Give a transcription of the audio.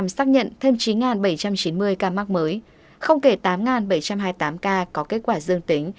xác nhận thêm chín bảy trăm chín mươi ca mắc mới không kể tám bảy trăm hai mươi tám ca có kết quả dương tính